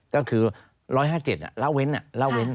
ก็คือร้อยห้าเจ็ดละเว้น